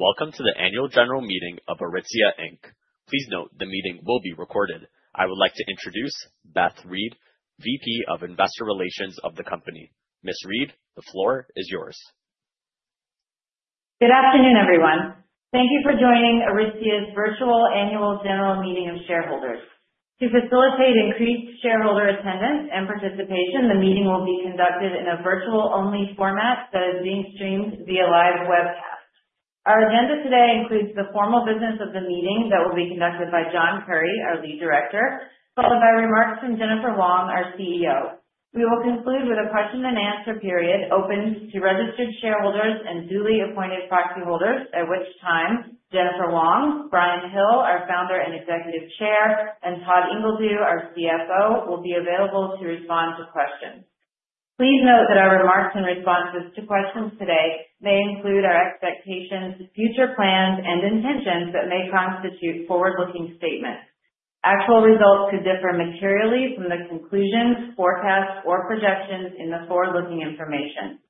Welcome to the Annual General Meeting of Aritzia Inc. Please note the meeting will be recorded. I would like to introduce Beth Reed, VP of Investor Relations of the company. Ms. Reed, the floor is yours. Good afternoon, everyone. Thank you for joining Aritzia's virtual Annual General Meeting of shareholders. To facilitate increased shareholder attendance and participation, the meeting will be conducted in a virtual-only format that is being streamed via live webcast. Our agenda today includes the formal business of the meeting that will be conducted by John Currie, our Lead Director, followed by remarks from Jennifer Wong, our CEO. We will conclude with a question-and-answer period open to registered shareholders and duly appointed proxy holders, at which time Jennifer Wong, Brian Hill, our founder and Executive Chair, and Todd Ingledew, our CFO, will be available to respond to questions. Please note that our remarks and responses to questions today may include our expectations, future plans, and intentions that may constitute forward-looking statements. Actual results could differ materially from the conclusions, forecasts, or projections in the forward-looking information.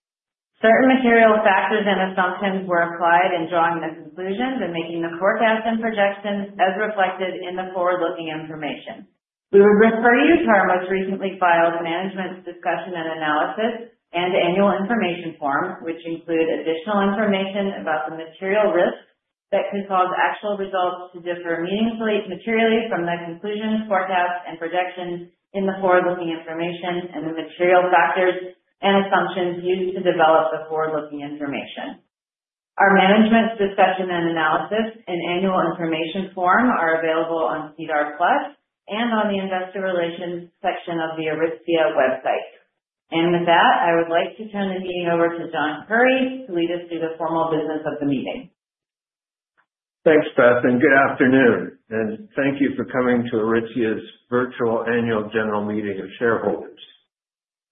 Certain material factors and assumptions were applied in drawing the conclusions and making the forecasts and projections as reflected in the forward-looking information. We would refer you to our most recently filed Management's Discussion and Analysis and Annual Information Form, which include additional information about the material risks that could cause actual results to differ materially from the conclusions, forecasts, and projections in the forward-looking information and the material factors and assumptions used to develop the forward-looking information. Our Management's Discussion and Analysis and Annual Information Form are available on SEDAR+ and on the Investor Relations section of the Aritzia website. With that, I would like to turn the meeting over to John Currie to lead us through the formal business of the meeting. Thanks, Beth, and good afternoon. Thank you for coming to Aritzia's virtual Annual General Meeting of shareholders.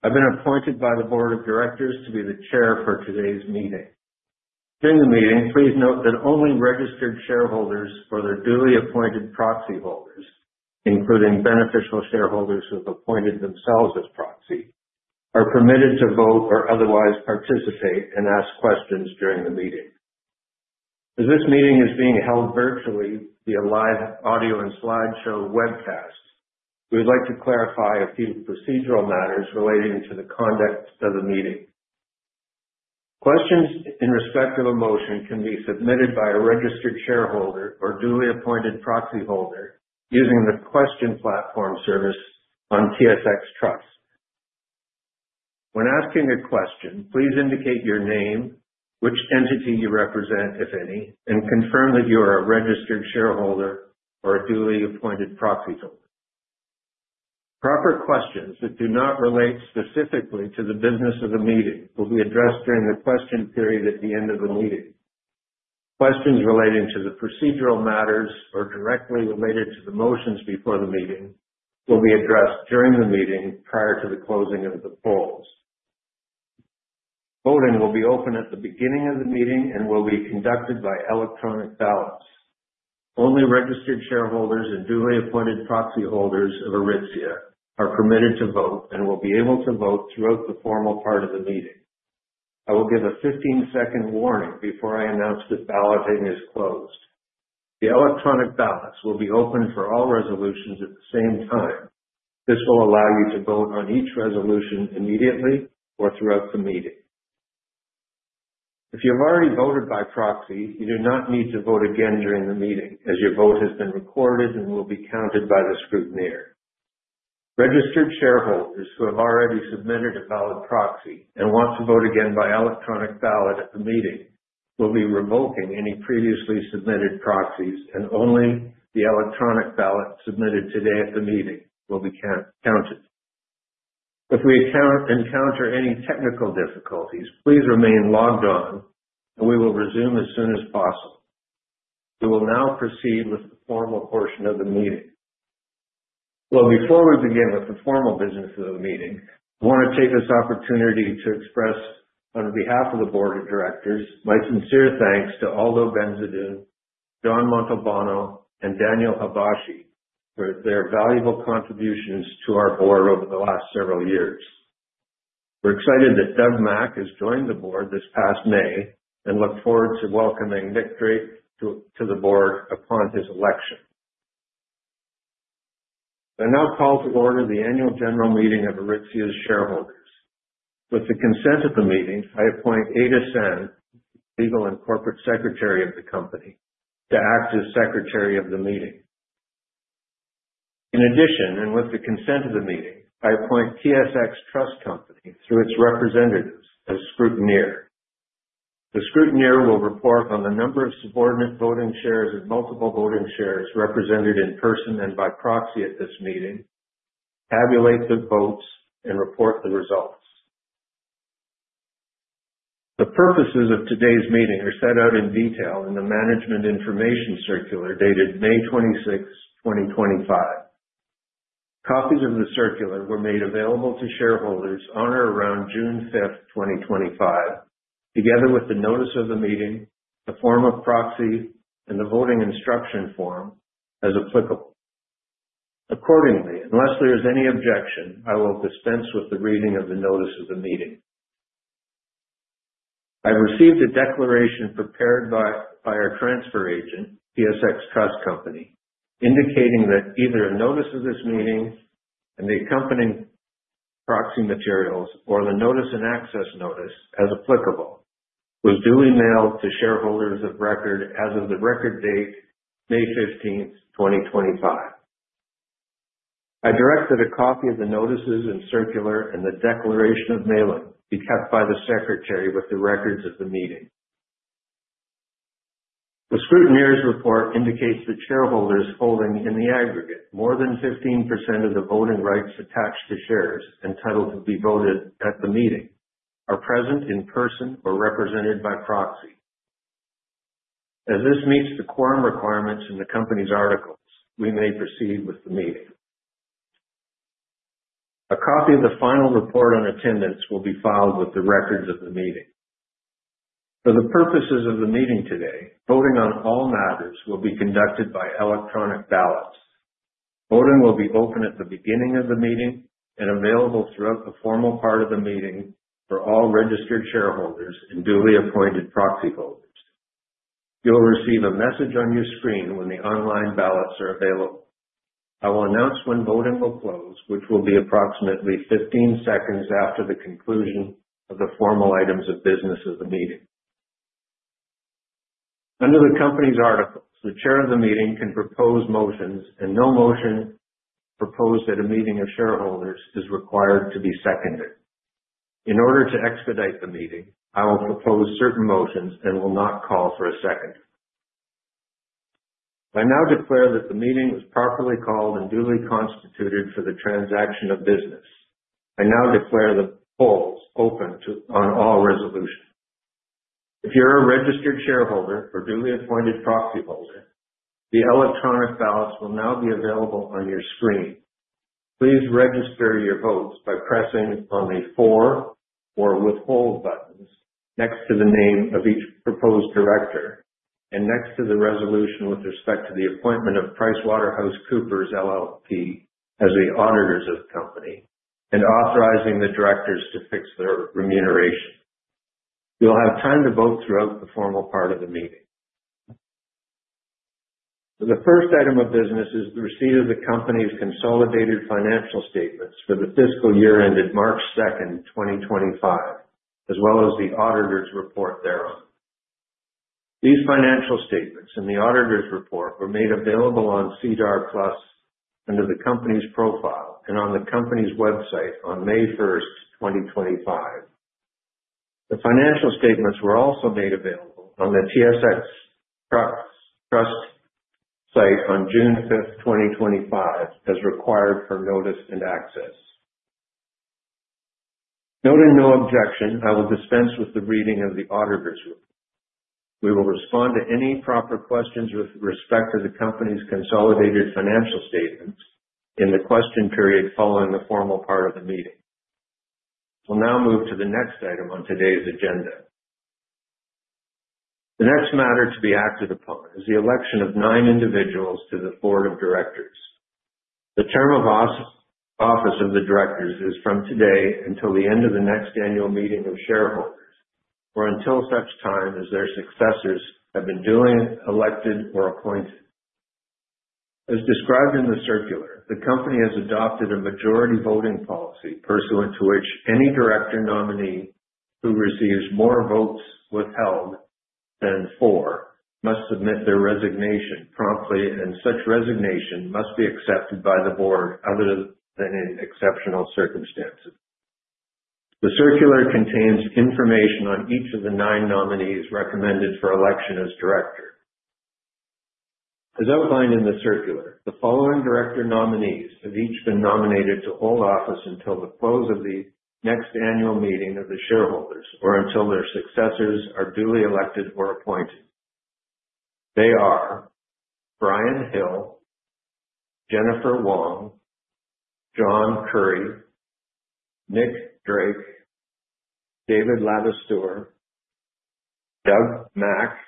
I've been appointed by the board of directors to be the chair for today's meeting. During the meeting, please note that only registered shareholders or their duly appointed proxy holders, including beneficial shareholders who have appointed themselves as proxy, are permitted to vote or otherwise participate and ask questions during the meeting. As this meeting is being held virtually via live audio and slideshow webcast, we would like to clarify a few procedural matters relating to the conduct of the meeting. Questions in respect of a motion can be submitted by a registered shareholder or duly appointed proxy holder using the question platform service on TSX Trust. When asking a question, please indicate your name, which entity you represent, if any, and confirm that you are a registered shareholder or a duly appointed proxy holder. Proper questions that do not relate specifically to the business of the meeting will be addressed during the question period at the end of the meeting. Questions relating to the procedural matters or directly related to the motions before the meeting will be addressed during the meeting prior to the closing of the polls. Voting will be open at the beginning of the meeting and will be conducted by electronic ballots. Only registered shareholders and duly appointed proxy holders of Aritzia are permitted to vote and will be able to vote throughout the formal part of the meeting. I will give a 15-second warning before I announce that balloting is closed. The electronic ballots will be open for all resolutions at the same time. This will allow you to vote on each resolution immediately or throughout the meeting. If you have already voted by proxy, you do not need to vote again during the meeting as your vote has been recorded and will be counted by the scrutineer. Registered shareholders who have already submitted a valid proxy and want to vote again by electronic ballot at the meeting will be revoking any previously submitted proxies, and only the electronic ballot submitted today at the meeting will be counted. If we encounter any technical difficulties, please remain logged on, and we will resume as soon as possible. We will now proceed with the formal portion of the meeting. Before we begin with the formal business of the meeting, I want to take this opportunity to express, on behalf of the board of directors, my sincere thanks to Aldo Bensadoun, John Montalbano, and Daniel Habashi for their valuable contributions to our board over the last several years. We're excited that Doug Mack has joined the board this past May and look forward to welcoming Nick Drake to the board upon his election. I now call to order the Annual General Meeting of Aritzia's shareholders. With the consent of the meeting, I appoint Ada San, Legal and Corporate Secretary of the company, to act as Secretary of the meeting. In addition, and with the consent of the meeting, I appoint TSX Trust Company through its representatives as scrutineer. The scrutineer will report on the number of subordinate voting shares and multiple voting shares represented in person and by proxy at this meeting, tabulate the votes, and report the results. The purposes of today's meeting are set out in detail in the Management Information Circular dated May 26th, 2025. Copies of the circular were made available to shareholders on or around June 5, 2025, together with the notice of the meeting, the form of proxy, and the voting instruction form as applicable. Accordingly, unless there is any objection, I will dispense with the reading of the notice of the meeting. I've received a declaration prepared by our transfer agent, TSX Trust Company, indicating that either a notice of this meeting and the accompanying proxy materials or the notice and access notice, as applicable, was duly mailed to shareholders of record as of the record date, May 15th, 2025. I directed a copy of the notices and circular and the declaration of mailing be kept by the secretary with the records of the meeting. The scrutineer's report indicates that shareholders holding in the aggregate more than 15% of the voting rights attached to shares entitled to be voted at the meeting are present in person or represented by proxy. As this meets the quorum requirements in the company's articles, we may proceed with the meeting. A copy of the final report on attendance will be filed with the records of the meeting. For the purposes of the meeting today, voting on all matters will be conducted by electronic ballots. Voting will be open at the beginning of the meeting and available throughout the formal part of the meeting for all registered shareholders and duly appointed proxy holders. You'll receive a message on your screen when the online ballots are available. I will announce when voting will close, which will be approximately 15 seconds after the conclusion of the formal items of business of the meeting. Under the company's articles, the chair of the meeting can propose motions, and no motion proposed at a meeting of shareholders is required to be seconded. In order to expedite the meeting, I will propose certain motions and will not call for a seconder. I now declare that the meeting was properly called and duly constituted for the transaction of business. I now declare the polls open on all resolutions. If you're a registered shareholder or duly appointed proxy holder, the electronic ballots will now be available on your screen. Please register your votes by pressing on the for or withhold buttons next to the name of each proposed director and next to the resolution with respect to the appointment of PricewaterhouseCoopers LLP as the auditors of the company and authorizing the directors to fix their remuneration. You'll have time to vote throughout the formal part of the meeting. The first item of business is the receipt of the company's consolidated financial statements for the fiscal year ended March 2nd, 2025, as well as the auditor's report thereof. These financial statements and the auditor's report were made available on SEDAR+ under the company's profile and on the company's website on May 1st, 2025. The financial statements were also made available on the TSX Trust site on June 5th, 2025, as required for notice and access. Noting no objection, I will dispense with the reading of the auditor's report. We will respond to any proper questions with respect to the company's consolidated financial statements in the question period following the formal part of the meeting. We'll now move to the next item on today's agenda. The next matter to be acted upon is the election of nine individuals to the board of directors. The term of office of the directors is from today until the end of the next annual meeting of shareholders or until such time as their successors have been duly elected or appointed. As described in the circular, the company has adopted a majority voting policy pursuant to which any director nominee who receives more votes withheld than for must submit their resignation promptly, and such resignation must be accepted by the board other than in exceptional circumstances. The circular contains information on each of the nine nominees recommended for election as director. As outlined in the circular, the following director nominees have each been nominated to hold office until the close of the next annual meeting of the shareholders or until their successors are duly elected or appointed. They are Brian Hill, Jennifer Wong, John Currie, Nick Drake, David Labistour, Doug Mack,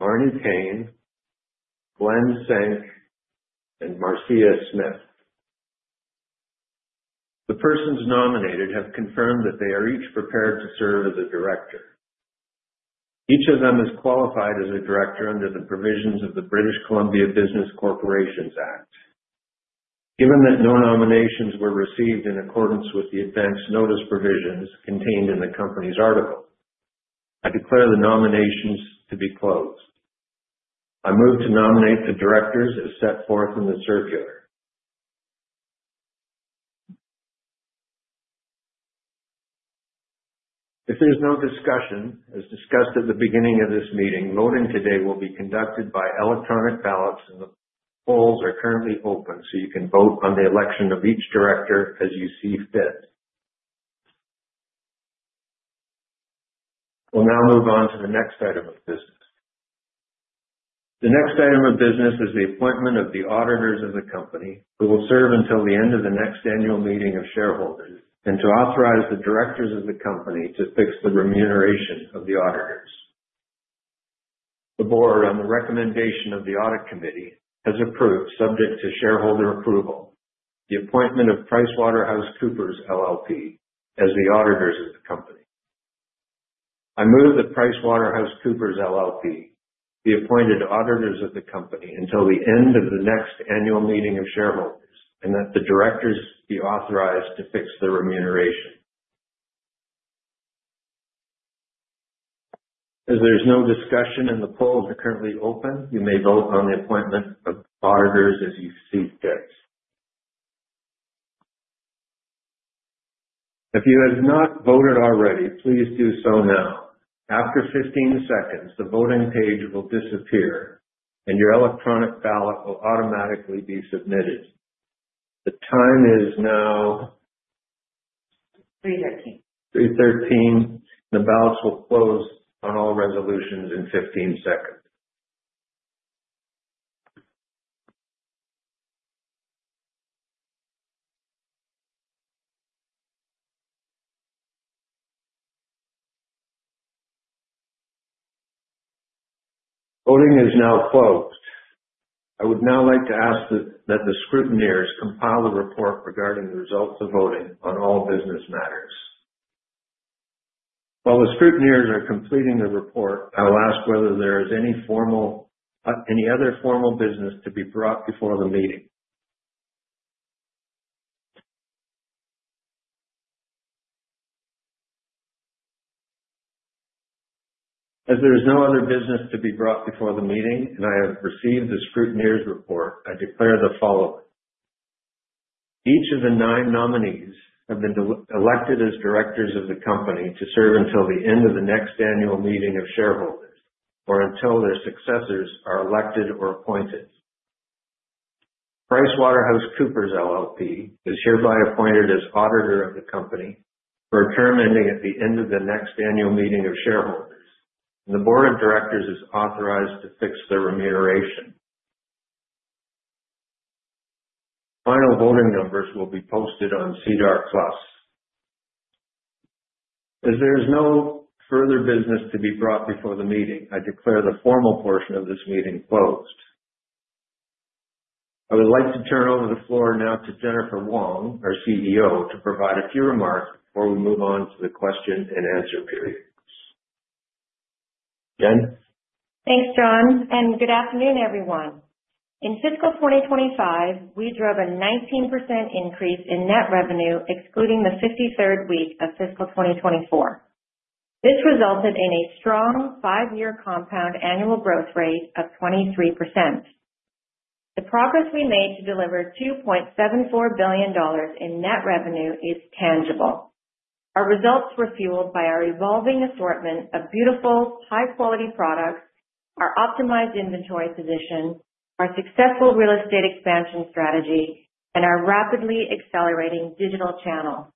Marni Payne, Glen Senk, and Marcia Smith. The persons nominated have confirmed that they are each prepared to serve as a director. Each of them is qualified as a director under the provisions of the British Columbia Business Corporations Act. Given that no nominations were received in accordance with the advance notice provisions contained in the company's article, I declare the nominations to be closed. I move to nominate the directors as set forth in the circular. If there's no discussion, as discussed at the beginning of this meeting, voting today will be conducted by electronic ballots, and the polls are currently open so you can vote on the election of each director as you see fit. We'll now move on to the next item of business. The next item of business is the appointment of the auditors of the company who will serve until the end of the next annual meeting of shareholders and to authorize the directors of the company to fix the remuneration of the auditors. The board, on the recommendation of the audit committee, has approved, subject to shareholder approval, the appointment of PricewaterhouseCoopers LLP as the auditors of the company. I move that PricewaterhouseCoopers LLP be appointed auditors of the company until the end of the next annual meeting of shareholders and that the directors be authorized to fix their remuneration. As there's no discussion and the polls are currently open, you may vote on the appointment of auditors as you see fit. If you have not voted already, please do so now. After 15 seconds, the voting page will disappear and your electronic ballot will automatically be submitted. The time is now 3:13. 3:13, and the ballots will close on all resolutions in 15 seconds. Voting is now closed. I would now like to ask that the scrutineers compile the report regarding the results of voting on all business matters. While the scrutineers are completing the report, I'll ask whether there is any other formal business to be brought before the meeting. As there is no other business to be brought before the meeting and I have received the scrutineer's report, I declare the following. Each of the nine nominees have been elected as directors of the company to serve until the end of the next annual meeting of shareholders or until their successors are elected or appointed. PricewaterhouseCoopers LLP is hereby appointed as auditor of the company for a term ending at the end of the next annual meeting of shareholders, and the board of directors is authorized to fix their remuneration. Final voting numbers will be posted on SEDAR+. As there is no further business to be brought before the meeting, I declare the formal portion of this meeting closed. I would like to turn over the floor now to Jennifer Wong, our CEO, to provide a few remarks before we move on to the question and answer period. Jen? Thanks, John, and good afternoon, everyone. In fiscal 2025, we drove a 19% increase in net revenue, excluding the 53rd week of fiscal 2024. This resulted in a strong five-year compound annual growth rate of 23%. The progress we made to deliver 2.74 billion dollars in net revenue is tangible. Our results were fueled by our evolving assortment of beautiful, high-quality products, our optimized inventory position, our successful real estate expansion strategy, and our rapidly accelerating digital channel.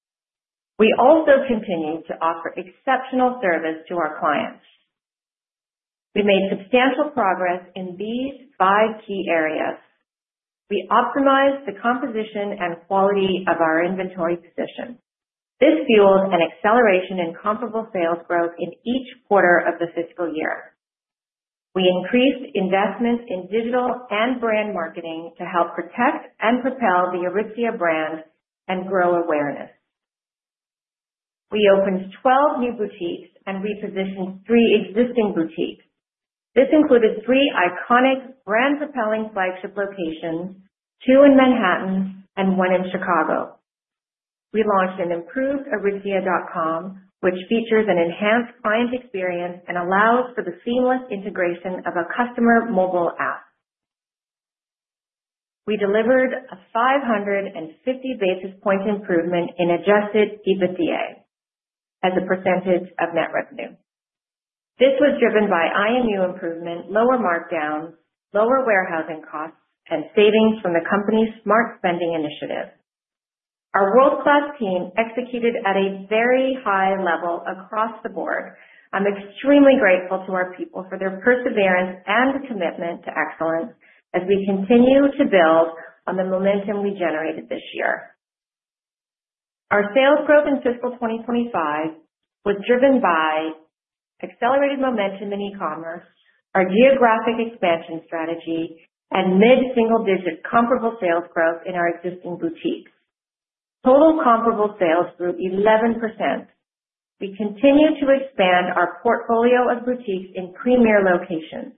We also continue to offer exceptional service to our clients. We made substantial progress in these five key areas. We optimized the composition and quality of our inventory position. This fueled an acceleration in comparable sales growth in each quarter of the fiscal year. We increased investment in digital and brand marketing to help protect and propel the Aritzia brand and grow awareness. We opened 12 new boutiques and repositioned three existing boutiques. This included three iconic brand-propelling flagship locations, two in Manhattan and one in Chicago. We launched an improved aritzia.com, which features an enhanced client experience and allows for the seamless integration of a customer mobile app. We delivered a 550 basis point improvement in adjusted EBITDA as a percentage of net revenue. This was driven by IMU improvement, lower markdowns, lower warehousing costs, and savings from the company's Smart Spending initiative. Our world-class team executed at a very high level across the board. I'm extremely grateful to our people for their perseverance and commitment to excellence as we continue to build on the momentum we generated this year. Our sales growth in fiscal 2025 was driven by accelerated momentum in e-commerce, our geographic expansion strategy, and mid-single-digit comparable sales growth in our existing boutiques. Total comparable sales grew 11%. We continue to expand our portfolio of boutiques in premier locations.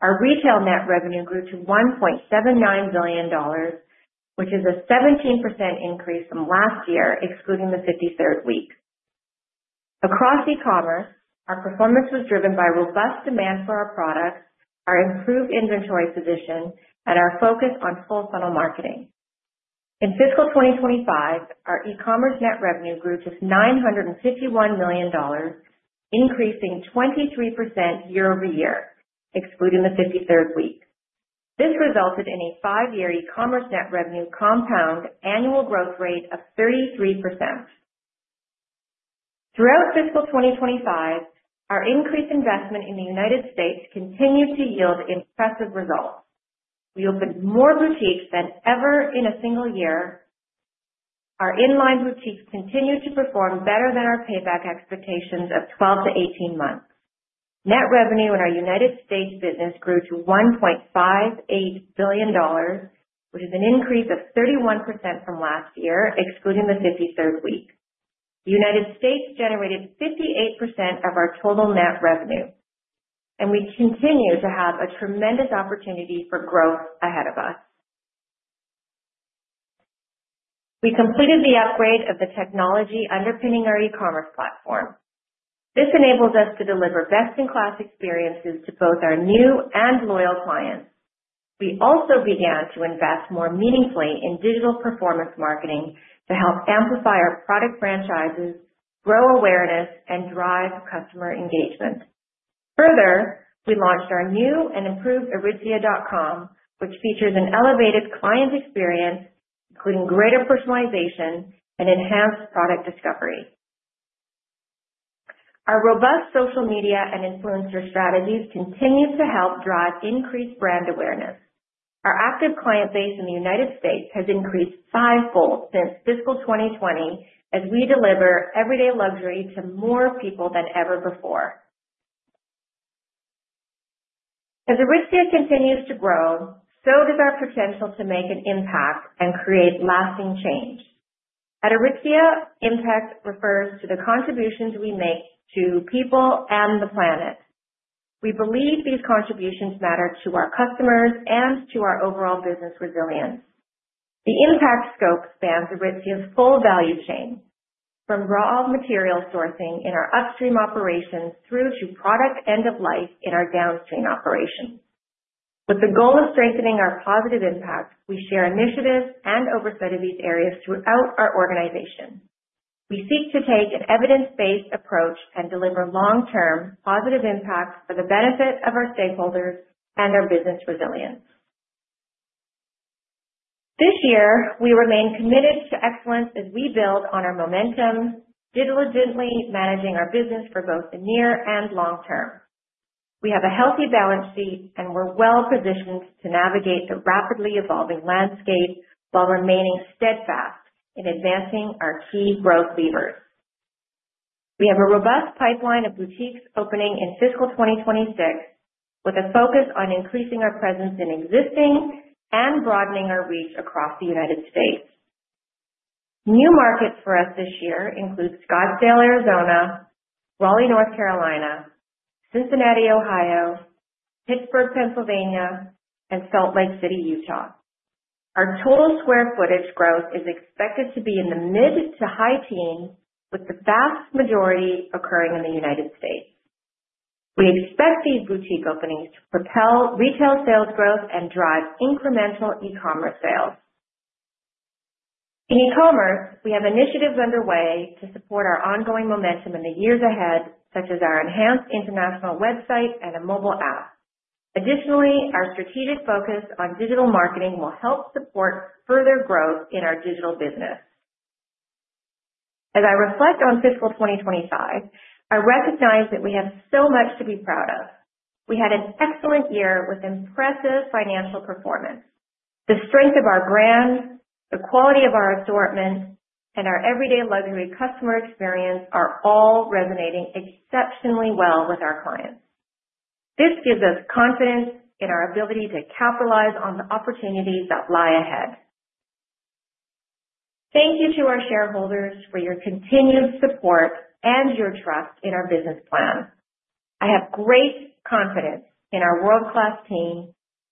Our retail net revenue grew to 1.79 billion dollars, which is a 17% increase from last year, excluding the 53rd week. Across e-commerce, our performance was driven by robust demand for our products, our improved inventory position, and our focus on full-funnel marketing. In fiscal 2025, our e-commerce net revenue grew to 951 million dollars, increasing 23% year-over-year, excluding the 53rd week. This resulted in a five-year e-commerce net revenue compound annual growth rate of 33%. Throughout fiscal 2025, our increased investment in the United States continued to yield impressive results. We opened more boutiques than ever in a single year. Our inline boutiques continued to perform better than our payback expectations of 12 months-18 months. Net revenue in our United States business grew to 1.58 billion dollars, which is an increase of 31% from last year, excluding the 53rd week. The United States generated 58% of our total net revenue, and we continue to have a tremendous opportunity for growth ahead of us. We completed the upgrade of the technology underpinning our e-commerce platform. This enables us to deliver best-in-class experiences to both our new and loyal clients. We also began to invest more meaningfully in digital performance marketing to help amplify our product franchises, grow awareness, and drive customer engagement. Further, we launched our new and improved aritzia.com, which features an elevated client experience, including greater personalization and enhanced product discovery. Our robust social media and influencer strategies continue to help drive increased brand awareness. Our active client base in the United States has increased fivefold since fiscal 2020 as we deliver Everyday Luxury to more people than ever before. As Aritzia continues to grow, so does our potential to make an impact and create lasting change. At Aritzia, impact refers to the contributions we make to people and the planet. We believe these contributions matter to our customers and to our overall business resilience. The impact scope spans Aritzia's full value chain, from raw material sourcing in our upstream operations through to product end-of-life in our downstream operations. With the goal of strengthening our positive impact, we share initiatives and oversight of these areas throughout our organization. We seek to take an evidence-based approach and deliver long-term positive impact for the benefit of our stakeholders and our business resilience. This year, we remain committed to excellence as we build on our momentum, diligently managing our business for both the near and long term. We have a healthy balance sheet, and we're well-positioned to navigate the rapidly evolving landscape while remaining steadfast in advancing our key growth levers. We have a robust pipeline of boutiques opening in fiscal 2026, with a focus on increasing our presence in existing and broadening our reach across the United States. New markets for us this year include Scottsdale, Arizona, Raleigh, North Carolina, Cincinnati, Ohio, Pittsburgh, Pennsylvania, and Salt Lake City, Utah. Our total square footage growth is expected to be in the mid to high teens, with the vast majority occurring in the United States. We expect these boutique openings to propel retail sales growth and drive incremental e-commerce sales. In e-commerce, we have initiatives underway to support our ongoing momentum in the years ahead, such as our enhanced international website and a mobile app. Additionally, our strategic focus on digital marketing will help support further growth in our digital business. As I reflect on fiscal 2025, I recognize that we have so much to be proud of. We had an excellent year with impressive financial performance. The strength of our brand, the quality of our assortment, and our Everyday Luxury customer experience are all resonating exceptionally well with our clients. This gives us confidence in our ability to capitalize on the opportunities that lie ahead. Thank you to our shareholders for your continued support and your trust in our business plan. I have great confidence in our world-class team,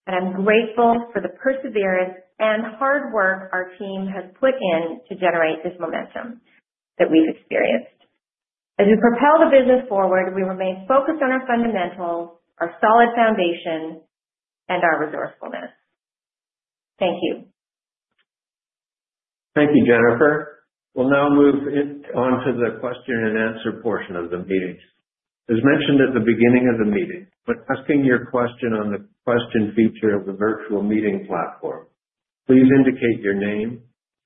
and I'm grateful for the perseverance and hard work our team has put in to generate this momentum that we've experienced. As we propel the business forward, we remain focused on our fundamentals, our solid foundation, and our resourcefulness. Thank you. Thank you, Jennifer. We'll now move on to the question-and-answer portion of the meeting. As mentioned at the beginning of the meeting, when asking your question on the question feature of the virtual meeting platform, please indicate your name,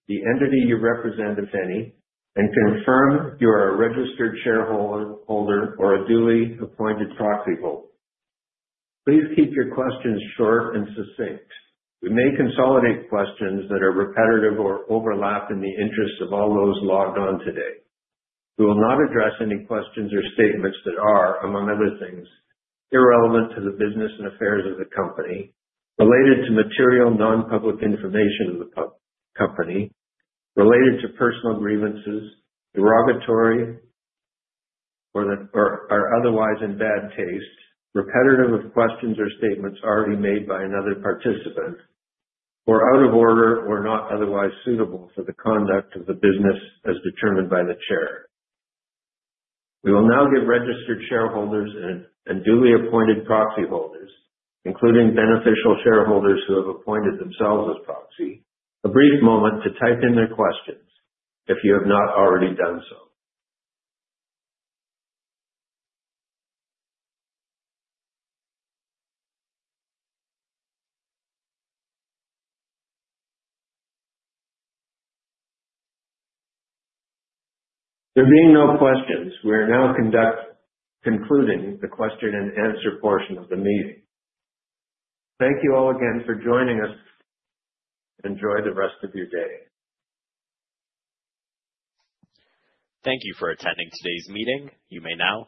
the entity you represent, if any, and confirm you are a registered shareholder or a duly appointed proxy holder. Please keep your questions short and succinct. We may consolidate questions that are repetitive or overlap in the interests of all those logged on today. We will not address any questions or statements that are, among other things, irrelevant to the business and affairs of the company, related to material non-public information of the company, related to personal grievances, derogatory, or otherwise in bad taste, repetitive of questions or statements already made by another participant, or out of order or not otherwise suitable for the conduct of the business as determined by the chair. We will now give registered shareholders and duly appointed proxy holders, including beneficial shareholders who have appointed themselves as proxy, a brief moment to type in their questions if you have not already done so. There being no questions, we are now concluding the question-and-answer portion of the meeting. Thank you all again for joining us. Enjoy the rest of your day. Thank you for attending today's meeting. You may now.